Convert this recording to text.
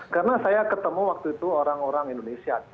karena saya ketemu waktu itu orang orang indonesia